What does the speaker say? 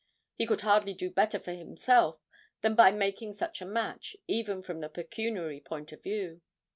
He could hardly do better for himself than by making such a match, even from the pecuniary point of view.